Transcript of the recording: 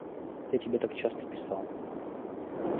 Я тебе так часто писал.